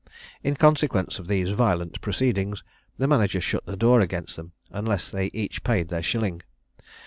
In consequence of these violent proceedings, the manager shut the door against them, unless they each paid their shilling.